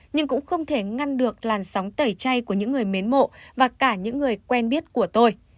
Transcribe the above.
nhưng cũng không thể ngăn được làn sóng tẩy chay của những người mến mộ và cả những người quen biết của tôi